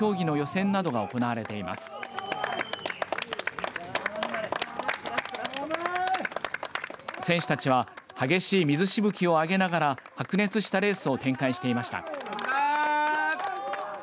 選手たちは激しい水しぶきを上げながら白熱したレースを展開していました。